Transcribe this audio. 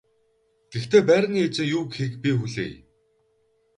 Гэхдээ байрны эзэн юу гэхийг би хүлээе.